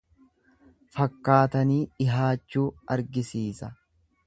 Fakkaatanii dhihaachuu argisiisa.